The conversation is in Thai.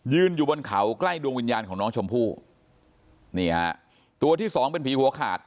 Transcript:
อยู่บนเขาใกล้ดวงวิญญาณของน้องชมพู่นี่ฮะตัวที่สองเป็นผีหัวขาด